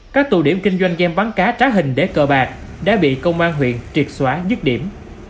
các tổ điểm kinh doanh game bán cá trá hình để cờ bạc đã bị công an huyện triệt xóa dứt điểm